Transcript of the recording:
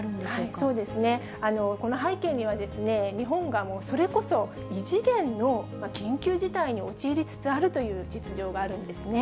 そうですね、この背景には、日本がそれこそ異次元の緊急事態に陥りつつあるという実情があるんですね。